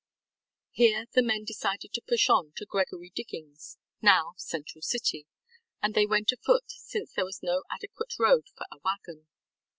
Here, the men decided to push on to Gregory Diggings, now Central City, and they went afoot since there was no adequate road for a wagon.